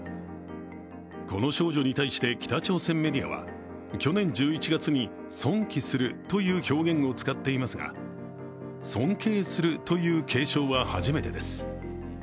この少女に対して北朝鮮メディアは、去年１１月に、尊貴するという表現を使っていますが尊敬するという敬称は初めてです。